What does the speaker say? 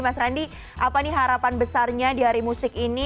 mas randi apa nih harapan besarnya di hari musik ini